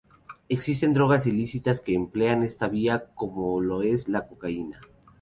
Existen drogas ilícitas que emplean esta vía como lo es la cocaína.